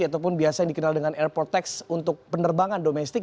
ataupun biasa yang dikenal dengan airport tax untuk penerbangan domestik